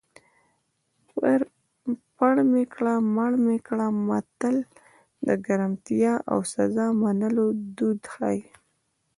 پړ مې کړه مړ مې کړه متل د ګرمتیا او سزا منلو دود ښيي